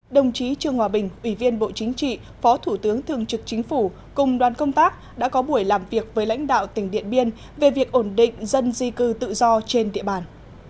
đồng chí trương hòa bình ủy viên bộ chính trị phó thủ tướng thường trực chính phủ cùng đoàn công tác đã có buổi làm việc với lãnh đạo tỉnh điện biên về việc ổn định dân di cư tự do trên địa bàn